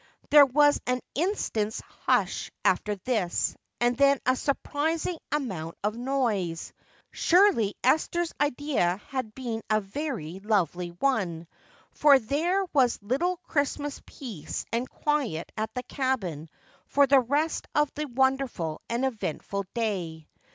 There was an instant's hush after this and then a surprising amount of noise. Surely Esther's idea had been a very lovely one, for there was little Christmas peace and quiet at the cabin for the rest of the wonderful and eventful day.